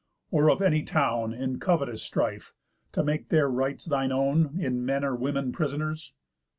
Or of any town, In covetous strife, to make their rights thine own In men or women prisoners?